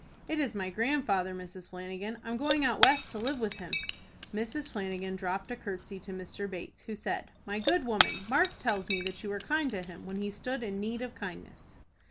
"It is my grandfather, Mrs. Flanagan. I'm going out West to live with him." Mrs. Flanagan dropped a courtesy to Mr. Bates, who said, "My good woman, Mark tells me that you were kind to him when he stood in need of kindness."